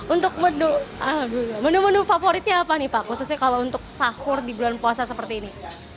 untuk menu menu favoritnya apa nih pak khususnya kalau untuk sahur di bulan puasa seperti ini